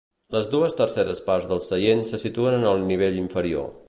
Les dues terceres parts dels seients se situen en el nivell inferior.